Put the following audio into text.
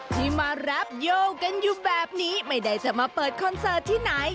ที่มารับโยงกันอยู่แบบนี้ไม่ได้จะมาเปิดคอนเสิร์ตที่ไหน